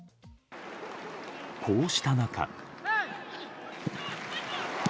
こうした中。